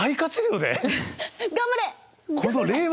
頑張れ！